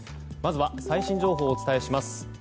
まずは最新情報をお伝えします。